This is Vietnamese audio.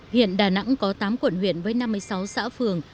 hiện đà nẵng có tám quận huyện với năm mươi sáu xã phường